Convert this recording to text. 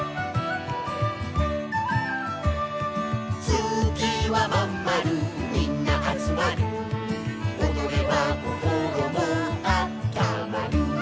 「月はまんまるみんなあつまる」「おどれば心もあったまる」